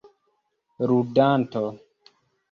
ludanto